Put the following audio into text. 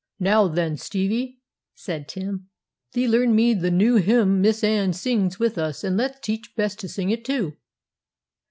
'Now then, Stevie,' said Tim, 'thee learn me the new hymn Miss Anne sings with us; and let's teach Bess to sing too.'